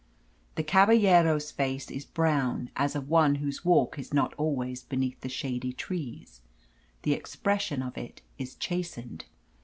The caballero's face is brown, as of one whose walk is not always beneath the shady trees. The expression of it is chastened.